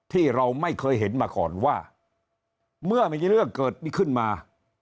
ที่เราไม่เคยเห็นมาก่อนว่าเมื่อมีเรื่องเกิดขึ้นมา